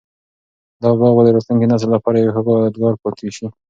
دا باغ به د راتلونکي نسل لپاره یو ښه یادګار پاتي شي.